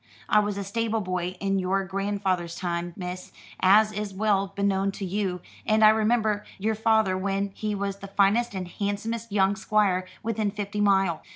I was stable boy in your grandfeyther's time, miss, as is well beknown to you; and I remember your feyther when he was the finest and handsomest young squire within fifty mile.